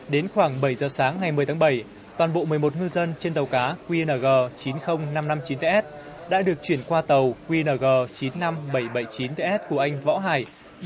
đến khoảng bảy giờ sáng ngày một mươi tháng bảy toàn bộ một mươi một ngư dân trên tàu cá qng chín mươi nghìn năm trăm năm mươi chín ts đã được chuyển qua tàu qng chín mươi năm nghìn bảy trăm bảy mươi chín ts của anh võ hải